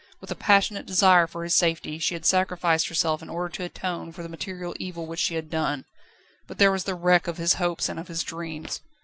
With a passionate desire for his safety, she had sacrificed herself in order to atone for the material evil which she had done. But there was the wreck of his hopes and of his dreams!